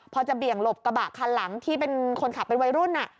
พอจะเบี่ยงหลบกระบะคันหลังที่เป็นคนขับเป็นวัยรุ่น